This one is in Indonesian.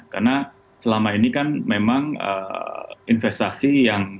karena selama ini kan memang investasi yang